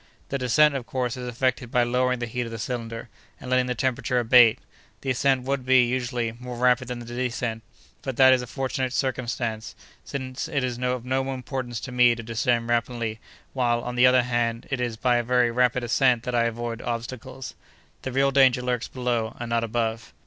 "The descent, of course, is effected by lowering the heat of the cylinder, and letting the temperature abate. The ascent would be, usually, more rapid than the descent; but that is a fortunate circumstance, since it is of no importance to me to descend rapidly, while, on the other hand, it is by a very rapid ascent that I avoid obstacles. The real danger lurks below, and not above.